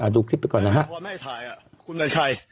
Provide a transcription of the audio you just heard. ดูคลิปหน่อยค่ะ